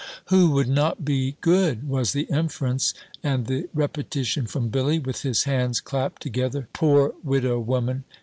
"Who would not be good?" was the inference: and the repetition from Billy, with his hands clapt together, "Poor widow woman!"